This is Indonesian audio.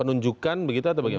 penunjukkan begitu atau bagaimana